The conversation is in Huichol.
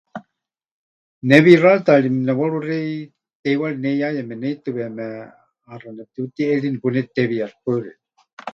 Ne wixáritaari nepɨwaruxei teiwari neiyáya meneitɨweme, ʼaxa nepɨtiutiʼeri, nepunetitewiiyaxɨ. Paɨ xeikɨ́a.